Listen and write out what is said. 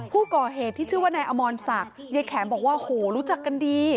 ผู้ก่อเหตุที่ชื่อว่านายอมรศักดิ์ยายแขมบอกว่าโหรู้จักกันดี